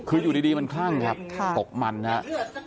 คืออยู่ดีมันคลั่งครับตกมันครับ